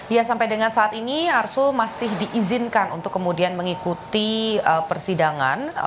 ya sampai dengan saat ini arsul masih diizinkan untuk kemudian mengikuti persidangan